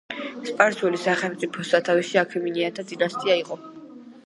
სპარსული სახელმწიფოს სათავეში აქემენიანთა დინასტია იყო.